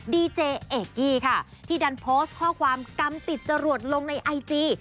ดีเจเอกกี้ค่ะที่ดันโพสต์ข้อความกำติดจรวดลงในไอจี